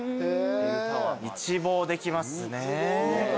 一望できますね。